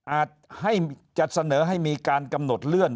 ให้จะเสนอให้มีการกำหนดเลื่อน